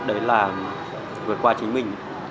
đấy là vượt qua chính mình